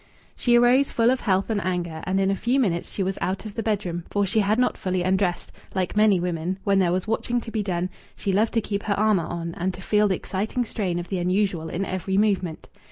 She arose full of health and anger, and in a few minutes she was out of the bedroom, for she had not fully undressed; like many women, when there was watching to be done, she loved to keep her armour on and to feel the exciting strain of the unusual in every movement.